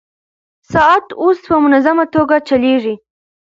ساعت اوس په منظمه توګه چلېږي.